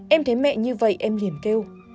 em thấy mẹ như vậy em liền kêu